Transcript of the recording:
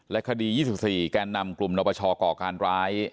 คดี๒๔แกนนำกลุ่มนปชก่อการร้าย